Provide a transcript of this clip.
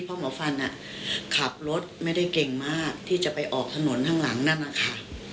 เพราะหมอฟันขับรถไม่ได้เก่งมากที่จะไปออกถนนข้างหลังนั่นนะคะ